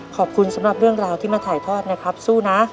ขอบคุณสำหรับเรื่องราวที่มาถ่ายทอดนะครับสู้นะ